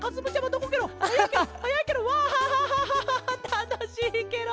たのしいケロ！